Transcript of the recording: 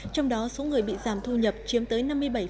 trong đó số người bị giảm thu nhập chiếm tới năm mươi bảy